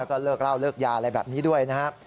แล้วก็เลิกเล่าเลิกยาอะไรแบบนี้ด้วยนะครับ